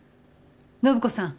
暢子さん。